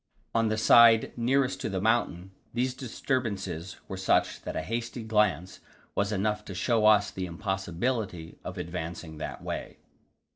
On the side nearest to the mountain these disturbances were such that a hasty glance was enough to show us the impossibility of advancing that way.